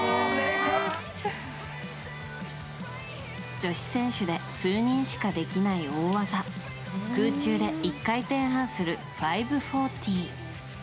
女子選手で数人しかできない大技空中で１回転半する５４０。